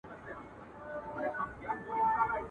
سترگه ور وي، ژبه ور وي عالمان وي ..